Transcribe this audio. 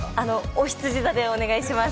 おひつじ座でお願いします。